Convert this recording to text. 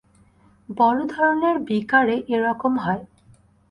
বড়ো ধরনের বিকারে এ-রকম হয়।